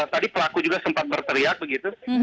tadi pelaku juga sempat berteriak begitu